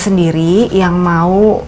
sendiri yang mau